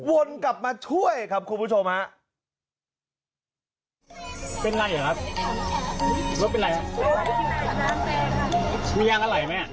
วนกลับมาช่วยครับคุณผู้ชมฮะ